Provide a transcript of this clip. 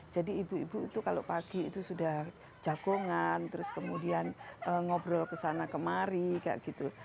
jadi ibu ibu itu kalau pagi itu sudah jagongan terus kemudian ngobrol ke sana kemari kayak gitu